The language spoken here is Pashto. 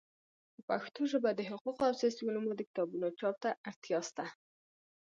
په پښتو ژبه د حقوقو او سیاسي علومو د کتابونو چاپ ته اړتیا سته.